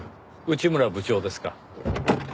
内村部長ですか？